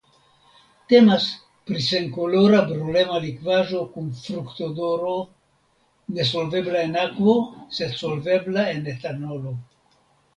Temas pri senkolora brulema likvaĵo kun fruktodoro nesolvebla en akvo sed solvebla en etanolo.